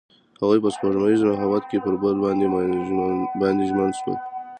هغوی په سپوږمیز محبت کې پر بل باندې ژمن شول.